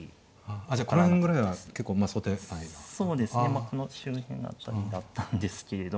まあこの周辺辺りだったんですけれども。